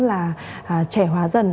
là trẻ hòa dần